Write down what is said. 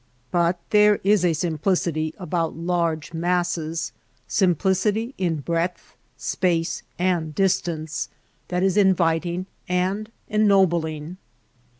But there is a sim plicity about large masses — simplicity in breadth, space and distance — that is inviting and ennobling.